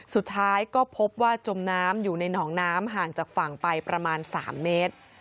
สุดท้ายก็พบว่าจมน้ำอยู่ในหนองน้ำห่างจากฝั่งไปประมาณ๓เมตร